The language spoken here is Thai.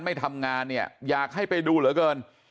ไม่ทำงานเนี่ยอยากให้ไปดูเหลือเกิน